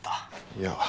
いや。